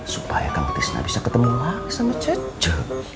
supaya kan tisna bisa ketemu lagi sama cecek